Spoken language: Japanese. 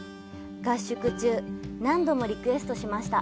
合宿中、何度もリクエストしました！